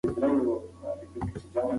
کله ډاکټر ته ځې؟